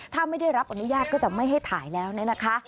ถ้าไม่ได้รับอนุญาตก็จะไม่ให้ถ่ายแล้วเนี่ยนะคะ